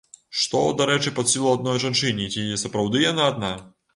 Што, дарэчы, пад сілу адной жанчыне і ці сапраўды яна адна?